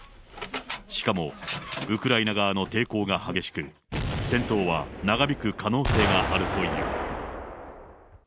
しかもウクライナ側の抵抗が激しく、戦闘は長引く可能性があるという。